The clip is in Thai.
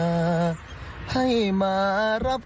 สวัสดีครับ